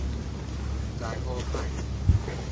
毋知好歹